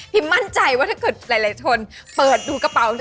มั่นใจว่าถ้าเกิดหลายคนเปิดดูกระเป๋า